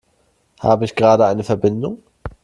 Habe ich gerade eine Verbindung?